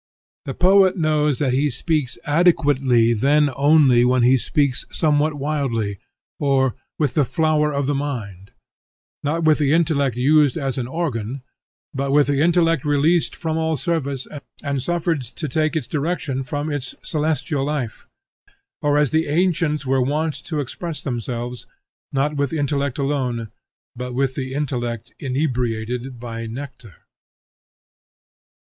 The poet knows that he speaks adequately then only when he speaks somewhat wildly, or, "with the flower of the mind;" not with the intellect used as an organ, but with the intellect released from all service and suffered to take its direction from its celestial life; or as the ancients were wont to express themselves, not with intellect alone but with the intellect inebriated by nectar.